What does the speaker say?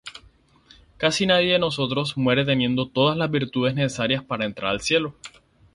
Casi nadie de nosotros muere teniendo todas las virtudes necesarias para entrar al cielo.